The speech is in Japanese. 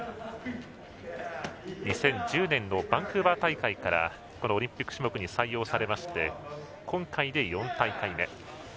２０１０年のバンクーバー大会からオリンピック種目に採用されまして今回で４大会目。